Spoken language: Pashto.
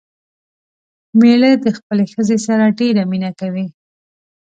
مېړه دې خپلې ښځې سره ډېره مينه کوي